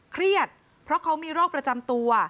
เครียดเพราะเขามีโรคประจำตัว